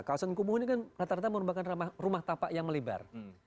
kawasan kumuh ini kan rata rata merupakan rumah tapak yang melebar